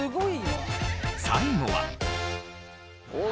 最後は。